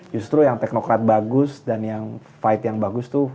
justru yang teknokrat bagus dan yang fight yang bagus tuh